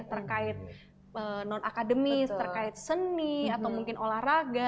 terkait non akademis terkait seni atau mungkin olahraga